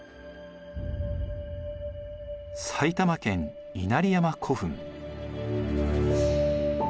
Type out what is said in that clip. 埼玉県稲荷山古墳。